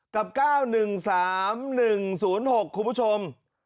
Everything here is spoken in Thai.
กับ๙๑๓๑๐๖คุณผู้ชม